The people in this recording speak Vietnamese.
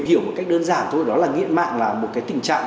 hiểu một cách đơn giản thôi đó là nghiện mạng là một cái tình trạng